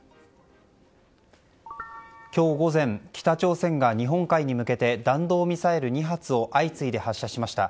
今日午前北朝鮮が日本海に向けて弾道ミサイル２発を相次いで発射しました。